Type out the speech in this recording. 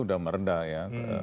sudah meredah ya